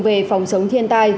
về phòng sống thiên tai